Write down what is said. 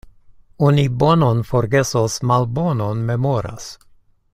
Oni bonon forgesos, malbonon memoras.